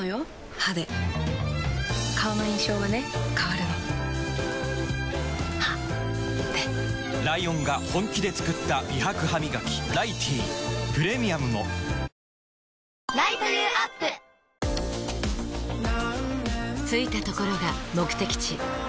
歯で顔の印象はね変わるの歯でライオンが本気で作った美白ハミガキ「ライティー」プレミアムも着いたところが目的地